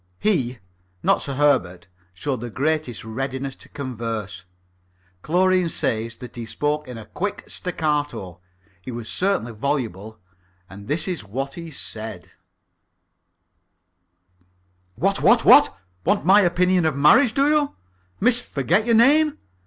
He not Sir Herbert showed the greatest readiness to converse. Chlorine says that he spoke in a quick staccato. He was certainly voluble, and this is what he said: "What, what, what? Want my opinion of marriage, do you, Miss Forget your name?